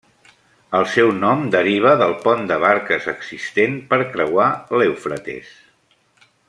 El seu nom deriva del pont de barques existent per creuar l'Eufrates.